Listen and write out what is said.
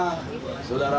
yang mengunci kamarnya